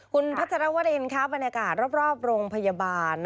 คุณพัชรวรินค่ะบรรยากาศรอบโรงพยาบาล